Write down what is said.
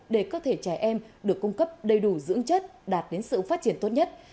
để cơ thể trẻ em được cung cấp đầy đủ dưỡng chất đạt đến sự phát triển tốt nhất